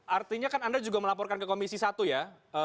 artinya kan anda juga melaporkan ke komisi satu ya